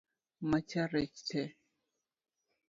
Macha rech tee?